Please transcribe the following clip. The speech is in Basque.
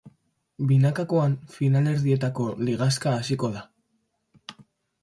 Binakakoan, finalerdietako ligaxka hasiko da.